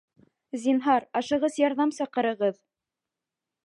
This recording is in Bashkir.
Зинһар, ашығыс ярҙам саҡырығыҙ!